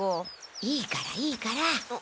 いいからいいから。